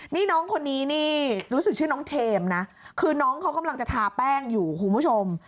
นี่น้องคนนี้นี่รู้สึกชื่อน้องเทมนะคือน้องเขากำลังจะทาแป้งอยู่คุณผู้ชม